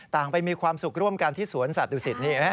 ไปมีความสุขร่วมกันที่สวนสัตว์ดุสิตนี่